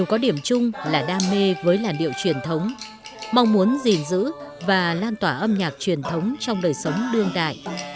có điểm chung là đam mê với làn điệu truyền thống mong muốn gìn giữ và lan tỏa âm nhạc truyền thống trong đời sống đương đại